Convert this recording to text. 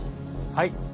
はい。